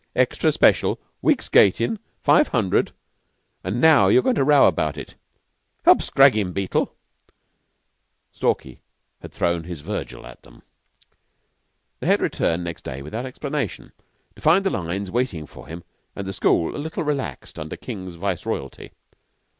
"Extra special, week's gatin' and five hundred... and now you're goin' to row about it! Help scrag him, Beetle!" Stalky had thrown his Virgil at them. The Head returned next day without explanation, to find the lines waiting for him and the school a little relaxed under Mr. King's viceroyalty.